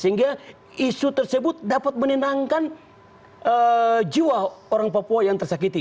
sehingga isu tersebut dapat menenangkan jiwa orang papua yang tersakiti